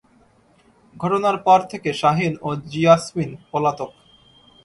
ঘটনার পর থেকে শাহীন ও জিয়াসমিন পলাতক।